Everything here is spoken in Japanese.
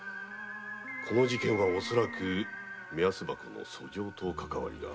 この事件恐らく目安箱の訴状と関係が。